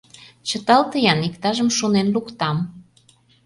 Чыталте-ян, иктажым шонен луктам.